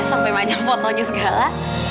sampai pajang fotonya segala